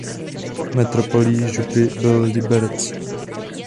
Metropolí župy byl Liberec.